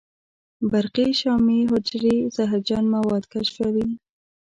برقي شامي حجرې زهرجن مواد کشفوي.